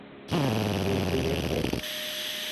เอคิว เอสเตท